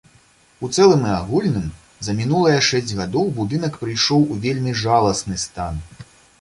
У цэлым і агульным за мінулыя шэсць гадоў будынак прыйшоў у вельмі жаласны стан.